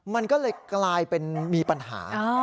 มันก็เลยกลายเป็นมีปัญหา